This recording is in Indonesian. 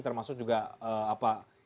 termasuk juga apa